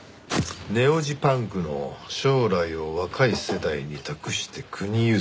「ネオ・ジパングの将来を若い世代に託して“国譲り”」。